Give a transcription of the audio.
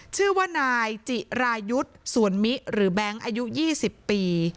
ชื่อว่านายจิรายุทธ์สวนมิหรือแบงค์อายุ๒๐ปี